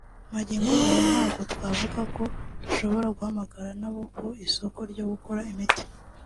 Magingo aya ntabwo twavuga ko dushobora guhangana n’abo ku isoko ryo gukora imiti